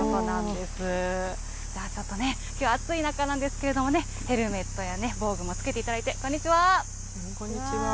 ではちょっとね、きょうは暑い中なんですけどもね、ヘルメットや防具もつけていただいて、こんにちは。